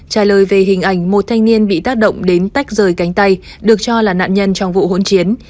trả lời về hình ảnh một thanh niên bị tác động đến tách rời cánh tay được cho là nạn nhân trong vụ hỗn chiến